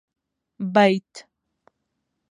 بيت